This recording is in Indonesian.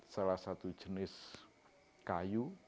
salah satu jenis kayu